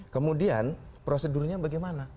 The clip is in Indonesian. kemudian prosedurnya bagaimana